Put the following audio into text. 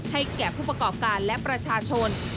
แก่ผู้ประกอบการและประชาชน